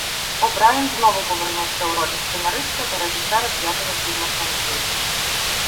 О'Брайен знову повернувся у ролі сценариста та режисера п'ятого фільму франшизи.